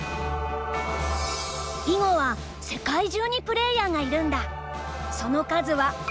囲碁は世界中にプレーヤーがいるんだ。